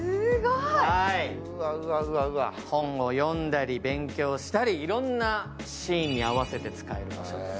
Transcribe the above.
本を読んだり勉強したり、いろんなシーンに合わせて使えます。